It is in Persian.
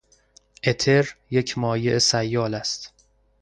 اتر یک مایع سیال است.